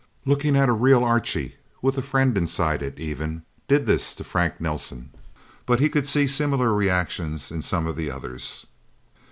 Looking at a real Archie with a friend inside it, even did this to Frank Nelsen. But he could see similar reactions in some of the others.